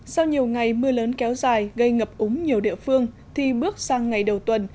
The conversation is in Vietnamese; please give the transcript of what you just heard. sau nhiều ngày mưa lớn kéo dài gây ngập úng nhiều địa phương thì bước sang ngày đầu tuần